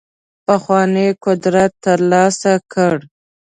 پخوانی قدرت ترلاسه کړ.